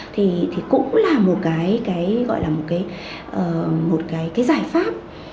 thì cũng là một cái giải pháp